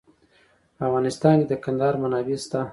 په افغانستان کې د کندهار منابع شته.